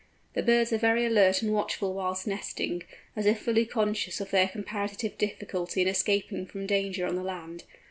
The birds are very alert and watchful whilst nesting, as if fully conscious of their comparative difficulty in escaping from danger on the land.